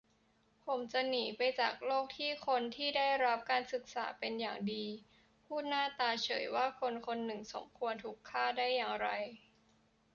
ผมจะหนีไปจากโลกที่คนที่ได้รับการศึกษาเป็นอย่างดี พูดหน้าตาเฉยว่าคนคนหนึ่งสมควรถูกฆ่า ได้อย่างไร